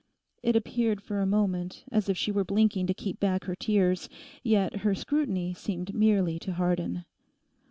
It appeared for a moment as if she were blinking to keep back her tears, yet her scrutiny seemed merely to harden.